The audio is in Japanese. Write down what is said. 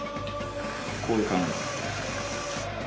こういう感じです。